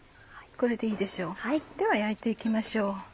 これでいいでしょうでは焼いて行きましょう。